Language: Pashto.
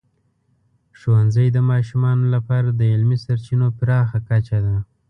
ښوونځی د ماشومانو لپاره د علمي سرچینو پراخه کچه ده.